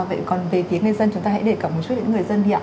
vậy còn về tiếng người dân chúng ta hãy để cả một chút đến người dân đi ạ